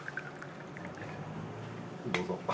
どうぞ。